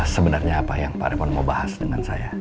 sebenarnya apa yang pak revo mau bahas dengan saya